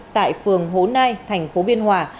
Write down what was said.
tại phường hồ nai thành phố biên hòa